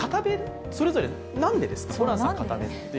それぞれ、なんでですか？